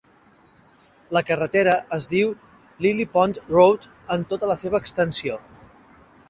La carretera es diu Lily Pond Road en tota la seva extensió.